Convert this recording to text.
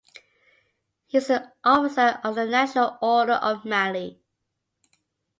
He is an officer of the National Order of Mali.